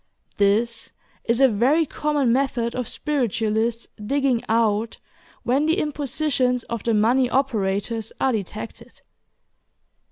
This is a very common method of spiritualists "digging out" when the impositions of the "money operators" are detected.